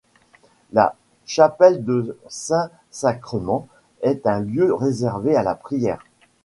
La chapelle du Saint Sacrement est un lieu réservé à la prière.